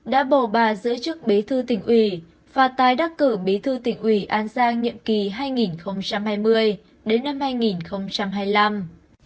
đã bầu bà giữ chức bí thư tỉnh ủy và tái đắc cử bí thư tỉnh ủy an giang nhiệm kỳ hai nghìn hai mươi đến năm hai nghìn hai mươi năm